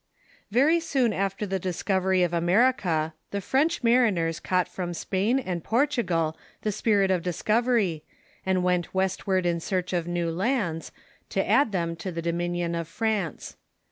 ] Very soon after the discoveiy of America the French mari ners caught from Spain and Portugal the spirit of discovery, and went westward in search of new lands, to add them to the dominion of France.